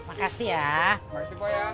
makasih pak ya